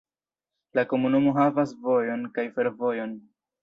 La komunumo havas vojon kaj fervojon.